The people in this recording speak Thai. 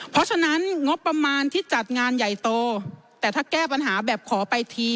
เพราะฉะนั้นงบประมาณที่จัดงานใหญ่โตแต่ถ้าแก้ปัญหาแบบขอไปที